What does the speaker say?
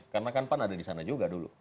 karena pan ada di sana juga dulu